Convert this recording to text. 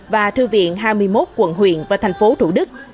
và thư viện hai mươi một quận huyện và thành phố thủ đức